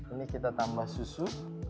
ini kita tambah susu